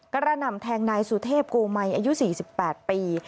กระหน่ำแทงนายสุเทพโกมัยอายุ๔๘ปี